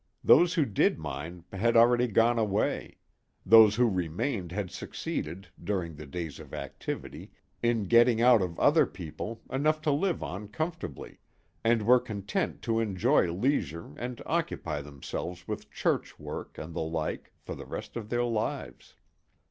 Those who did mind had already gone away; those who remained had succeeded, during the days of activity, in getting out of other people enough to live on comfortably, and were content to enjoy leisure and occupy themselves with church work and the like for the rest of their lives.